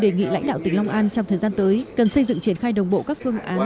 đề nghị lãnh đạo tỉnh long an trong thời gian tới cần xây dựng triển khai đồng bộ các phương án